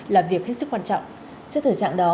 là việc rất quan trọng trước thời trạng đó